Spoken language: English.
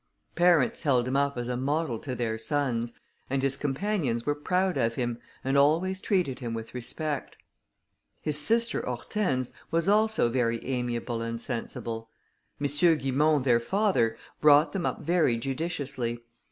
Parents held him up as a model to their sons, and his companions were proud of him, and always treated him with respect. His sister, Hortense, was also very amiable and sensible. M. Guimont, their father, brought them up very judiciously.